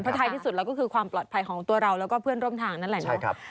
ท้ายที่สุดแล้วก็คือความปลอดภัยของตัวเราแล้วก็เพื่อนร่วมทางนั่นแหละเนาะ